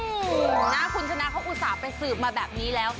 โอ้โหนะคุณชนะเขาอุตส่าห์ไปสืบมาแบบนี้แล้ว